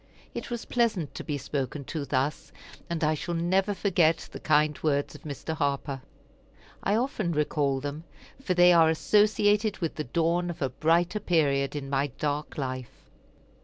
It was pleasant to be spoken to thus, and I shall never forget the kind words of Mr. Harper. I often recall them, for they are associated with the dawn of a brighter period in my dark life.